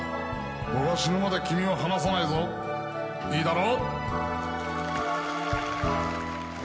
「『僕は死ぬまで君を離さないぞ、いいだろう．．．．．．』」